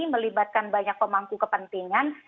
melibatkan banyak pemangku kepentingan